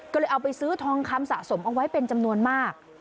ก็เลยเอาไปซื้อทองคำสะสมเอาไว้เป็นจำนวนมาก